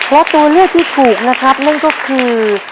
และตัวเลือกที่ถูกนะครับนั่นก็คือ